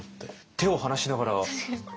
手を離しながらねえ。